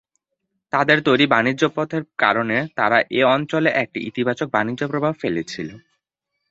তাদের তৈরি বাণিজ্য পথের কারণে তারা-এঅঞ্চলে একটি ইতিবাচক বাণিজ্য প্রভাব ফেলেছিল।